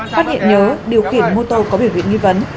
phát hiện nhớ điều khiển mô tô có biểu hiện nghi vấn